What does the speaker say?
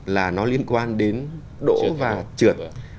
là nó liên quan đến đỗ và trượt